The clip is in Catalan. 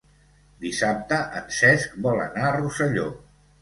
Dissabte en Cesc vol anar a Rosselló.